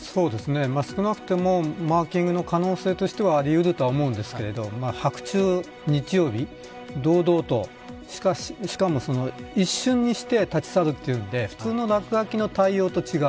少なくてもマーキングの可能性としてはありうると思うんですけど白昼、日曜日、堂々としかも、一瞬にして立ち去るというので普通の落書きの対応と違う。